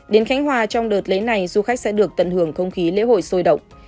đến khánh hòa trong đợt lễ này du khách sẽ được tận hưởng không khí lễ hội sôi động